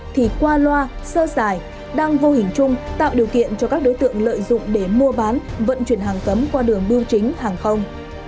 thì qua loa sơ xài đang vô hình chung tạo điều kiện cho các đối tượng lợi dụng để mua bán vận chuyển hàng cấm qua đường bưu chính hàng không